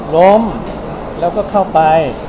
ล้มแล้วก็เข้าไป